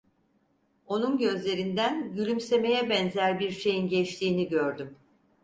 Onun gözlerinden gülümsemeye benzer bir şeyin geçtiğini gördüm.